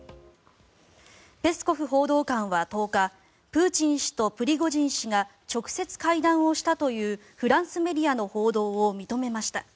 ペスコフ報道官は１０日プーチン氏とプリゴジン氏が直接会談をしたというフランスメディアの報道を認めました。